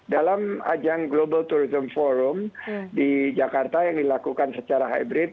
dalam ajang global tourism forum di jakarta yang dilakukan secara hybrid